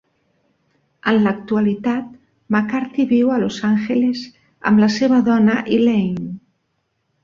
En l'actualitat, McCarthy viu a Los Angeles amb la seva dona Elaine.